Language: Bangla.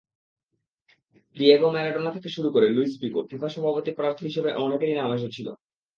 ডিয়েগো ম্যারাডোনা থেকে শুরু করে লুইস ফিগো—ফিফা সভাপতি প্রার্থী হিসেবে অনেকেরই নাম এসেছিল।